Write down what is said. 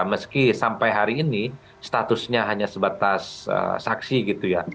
meski sampai hari ini statusnya hanya sebatas saksi gitu ya